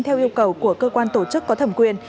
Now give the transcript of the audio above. theo yêu cầu của cơ quan tổ chức có thẩm quyền